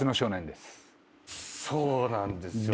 そうなんですよね。